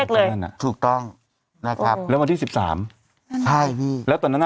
เลยถูกต้องนะครับแล้ววันที่สี่สามใช่พี่แล้วตอนนั้น